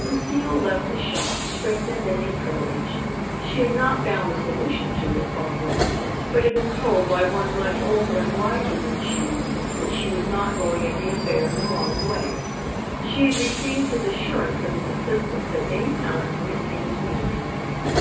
Lucile left the shop strengthened and encouraged. She had not found a solution to her problem but had been told by one much older and wiser than she that she was not going at the affair in the wrong way. She had received his assurance of his assistance at any time when it seemed needed.